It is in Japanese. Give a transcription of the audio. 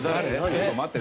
ちょっと待って。